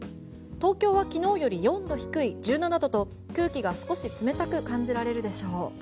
東京は昨日より４度低い１７度と空気が少し冷たく感じられるでしょう。